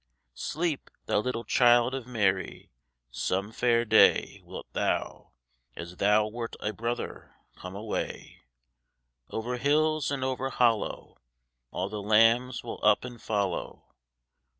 Sleep, Thou little Child of Mary, Some fair day Wilt Thou, as Thou wert a brother, Come away Over hills and over hollow? All the lambs will up and follow.